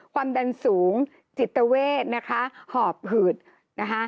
ความดันสูงจิตเวทนะคะหอบหืดนะคะ